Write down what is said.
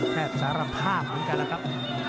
สารภาพเหมือนกันแล้วครับ